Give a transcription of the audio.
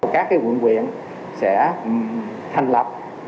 các quận huyền sẽ thành lập